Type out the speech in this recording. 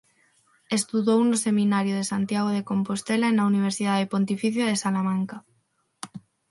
Estudou no Seminario de Santiago de Compostela e na Universidad Pontificia de Salamanca.